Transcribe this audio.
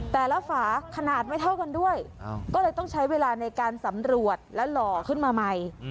ฝาขนาดไม่เท่ากันด้วยก็เลยต้องใช้เวลาในการสำรวจและหล่อขึ้นมาใหม่